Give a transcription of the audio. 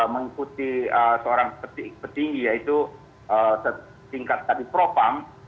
mengikuti seorang petinggi yaitu setingkat tadi propam